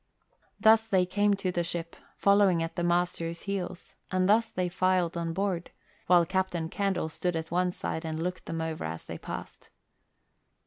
Thus they came to the ship, following at the master's heels, and thus they filed on board, while Captain Candle stood at one side and looked them over as they passed.